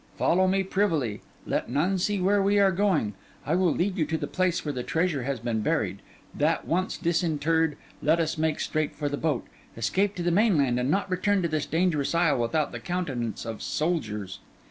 Follow me privily; let none see where we are going; I will lead you to the place where the treasure has been buried; that once disinterred, let us make straight for the boat, escape to the mainland, and not return to this dangerous isle without the countenance of soldiers.